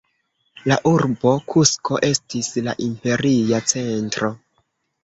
La urbo Kusko estis la imperia centro.